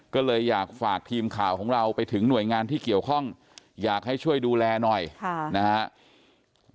ก็เลยอยากฝากทีมข่าวของเราไปถึงหน่วยงานที่เกี่ยวข้องอยากให้ช่วยดูแลหน่อยนะครับ